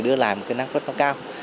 đưa lại năng suất cao